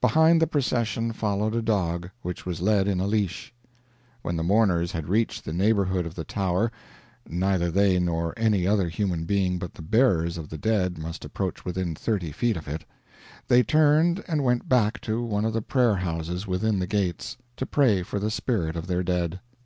Behind the procession followed a dog, which was led in a leash. When the mourners had reached the neighborhood of the Tower neither they nor any other human being but the bearers of the dead must approach within thirty feet of it they turned and went back to one of the prayer houses within the gates, to pray for the spirit of their dead.